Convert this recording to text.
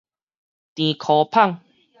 甜箍麭